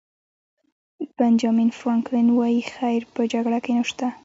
بنجامین فرانکلن وایي خیر په جګړه کې نشته.